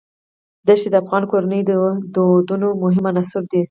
دښتې د افغان کورنیو د دودونو مهم عنصر دی.